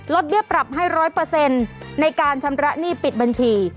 เบี้ยปรับให้๑๐๐ในการชำระหนี้ปิดบัญชี